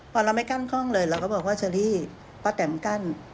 พอเราไม่กั้นกล้องเลยเราก็บอกว่าเชอรี่ป้าแตมกั้น